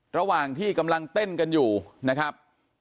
ระหว่างที่กำลังเต้นกันอยู่นะครับ